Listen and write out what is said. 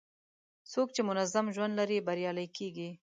څوک چې منظم ژوند لري، بریالی کېږي.